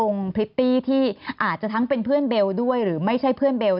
พริตตี้ที่อาจจะทั้งเป็นเพื่อนเบลด้วยหรือไม่ใช่เพื่อนเบล